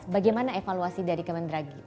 bagaimana evaluasi dari kemendagri